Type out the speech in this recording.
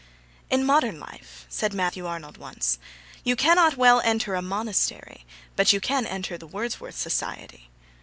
'In modern life,' said Matthew Arnold once, 'you I cannot well enter a monastery; but you can enter the Wordsworth Society.'